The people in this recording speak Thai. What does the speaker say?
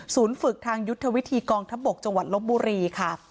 ศูนย์ฝึกทางยุทธวิธีกองทบกจลบบุรีค่ะ